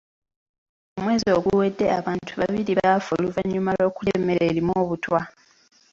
Omwezi oguwedde abantu babiri baafa oluvannyuma lw'okulya emmere erimu obutwa.